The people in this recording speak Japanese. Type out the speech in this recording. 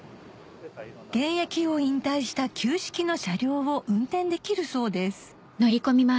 現役を引退した旧式の車両を運転できるそうですえ